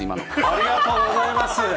ありがとうございます。